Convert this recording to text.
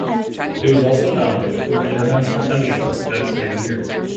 It was also nominated for an International Emmy Award that same year.